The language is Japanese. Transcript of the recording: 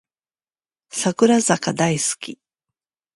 櫻坂大好き